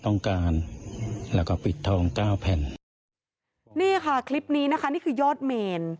นี่ค่ะคลิปนี้นะคะนี่คือยอดเมน